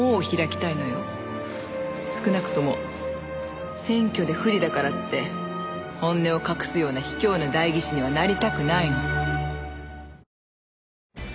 少なくとも選挙で不利だからって本音を隠すような卑怯な代議士にはなりたくないの。